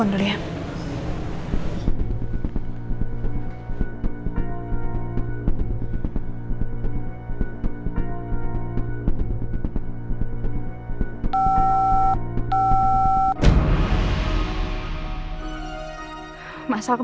handphonenya kenapa gak bisa dihubungin